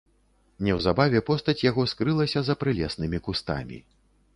Неўзабаве постаць яго скрылася за прылеснымі кустамі.